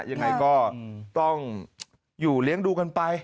ยังไงก็ต้องอยู่เลี้ยงดูกันไป